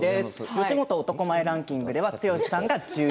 よしもと男前ランキングでは剛さん１０位。